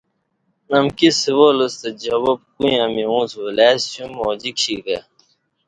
امکی سوال ستہ جواب کُویاں می اُݩڅ ولئسیوم اوجی کشی کہ